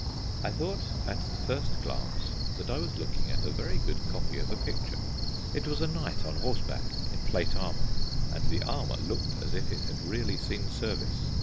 I thought at the first glance that I was looking at a very good copy of a picture. It was a knight on horseback, in plate armour, and the armour looked as if it had really seen service.